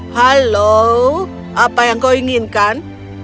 halo apa yang kau inginkan